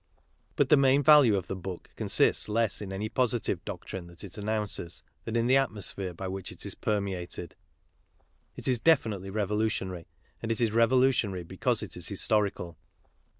But tlie main value of the book consists less in any positive doctrine that ft annoiIricS^tian~ln~the~jrtTtlospKere~By' wKIch it is permeated. It is definitely revolutionary, and it is revolutiohar)' because it is historical.